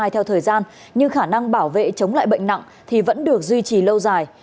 theo thời gian nhưng khả năng bảo vệ chống lại bệnh nặng thì vẫn được duy trì lâu dài